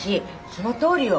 そのとおりよ。